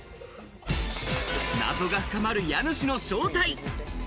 謎が深まる家主の正体。